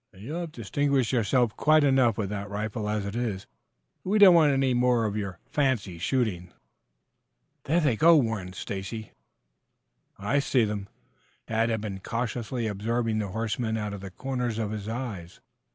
"You have distinguished yourself quite enough with that rifle as it is. We don't want any more of your fancy shooting." "There they go," warned Stacy. "I see them." Tad had been cautiously observing the horsemen out of the corners of his eyes.